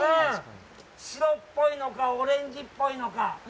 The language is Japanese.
白っぽいのか、オレンジっぽいのか？